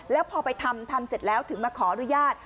แล้วพอไปทำทำเสร็จแล้วถึงมาขออนุญาต